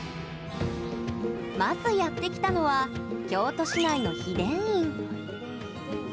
まず、やってきたのは京都市内の悲田院。